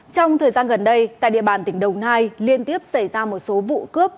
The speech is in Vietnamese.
trong thời gian gần đây tại địa bàn tỉnh đồng nai liên tiếp xảy ra một số vụ cướp